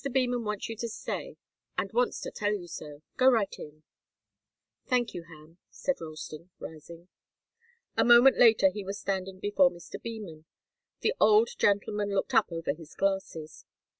Beman wants you to stay, and wants to tell you so. Go right in." "Thank you, Ham," said Ralston, rising. A moment later he was standing before Mr. Beman. The old gentleman looked up over his glasses.